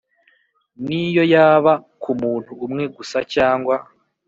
niyo yaba kumuntu umwe gusa cyangwa